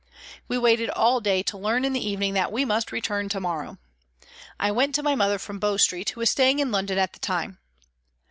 We waited all day to learn in the evening that we must return to morrow. I went to my mother from Bow Street who was staying in London at that time.